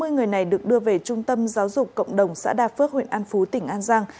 hai mươi người này được đưa về trung tâm giáo dục cộng đồng xã đa phước huyện an phú tỉnh an giang